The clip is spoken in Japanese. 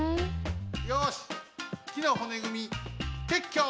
よしきのほねぐみてっきょ！